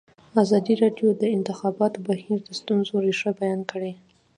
ازادي راډیو د د انتخاباتو بهیر د ستونزو رېښه بیان کړې.